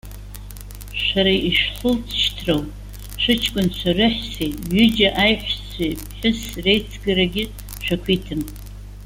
Шәара ишәхылҵшьҭроу шәыҷкәынцәа рыҳәсеи, ҩыџьа аиҳәшьцәеи ԥҳәысс реицгарагьы шәақәиҭым.